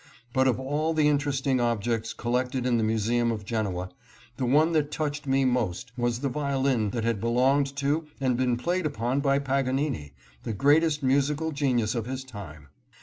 But of all the interesting objects collected in the Museum of Genoa, the one that touched me most was the violin that had belonged to and been played upon by Paganini, the greatest musical genius of his time.